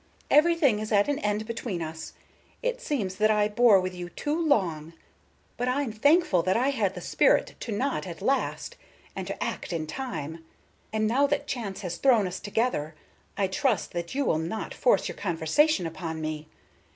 Everything is at an end between us. It seems that I bore with you too long; but I'm thankful that I had the spirit to not at last, and to act in time. And now that chance has thrown us together, I trust that you will not force your conversation upon me.